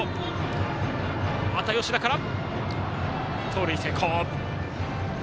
盗塁成功。